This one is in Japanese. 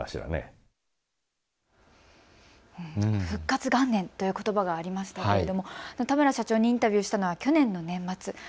復活元年ということばがありましたけれども、田村社長にインタビューしたのは去年の年末。